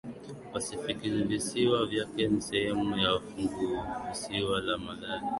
PasifikiVisiwa vyake ni sehemu ya Funguvisiwa la Malay